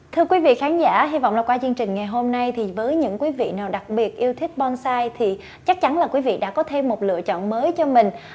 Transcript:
thưa quý vị khán giả hy vọng là qua chương trình ngày hôm nay thì với những quý vị nào đặc biệt yêu thích bonsai thì chắc chắn là quý vị đã có thêm một lựa chọn mới cho mình